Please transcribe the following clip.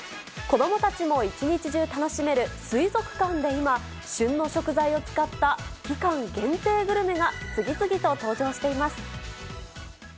子どもたちも一日中楽しめる水族館で今、旬の食材を使った期間限定グルメが次々と登場しています。